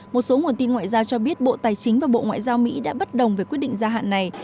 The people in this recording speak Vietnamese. một số nguồn tin ngoại giao cho biết bộ tài chính và bộ ngoại giao mỹ đã bất đồng về quyết định gia hạn này